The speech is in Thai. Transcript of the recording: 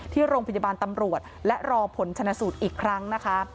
ที่โรงพยาบาลตำรวจและรอผลชนะสูตรอีกครั้งนะคะ